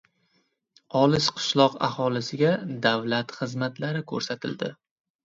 Olis qishloq aholisiga davlat xizmatlari ko‘rsatildi